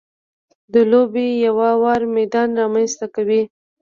د لوبې یو ه وار میدان رامنځته کوي.